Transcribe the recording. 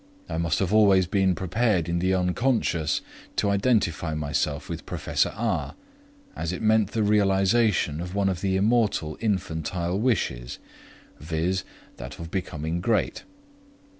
I must have always been prepared in the Unc. to identify myself with Professor R., as it meant the realization of one of the immortal infantile wishes, viz. that of becoming great.